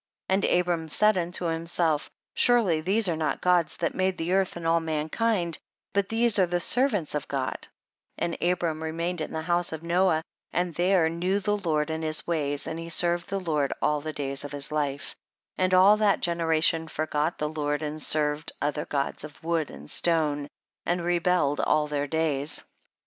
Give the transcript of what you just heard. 19. And Abram said unto himself, surely these are not gods that made the earth and all mankind, but these are the servants of God ; and Abrani remained in the house of Noah and there knew the Lord and his ways, and he served the Lord all the days of his life, and all that generation forgot the Lord, and served other gods of wood and stone, and rebel led all their days.